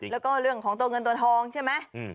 แล้วก็เรื่องของตัวเงินตัวทองใช่ไหม